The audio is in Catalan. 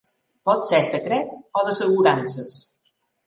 Pot ser secret o d'assegurances.